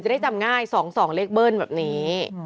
ได้จำง่าย๒๒เลขเบิ้ลแบบนี้